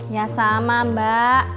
ya sama mbak